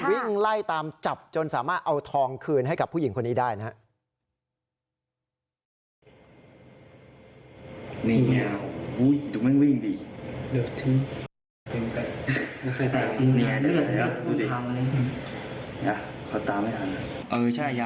วิ่งไล่ตามจับจนสามารถเอาทองคืนให้กับผู้หญิงคนนี้ได้นะครับ